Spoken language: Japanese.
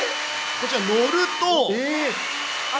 こちら、乗ると。